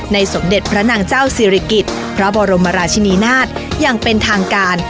สมเด็จพระนางเจ้าศิริกิจพระบรมราชินีนาฏอย่างเป็นทางการ